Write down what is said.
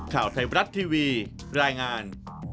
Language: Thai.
ข่าวไทยบรัฐทีวีรายงาน